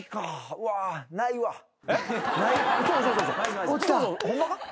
うわ。えっ！？ホンマか？